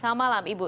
selamat malam ibu